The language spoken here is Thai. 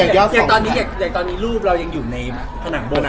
อย่างตอนนี้รูปเรายังอยู่ในฐบน